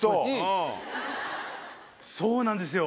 そうなんですよ。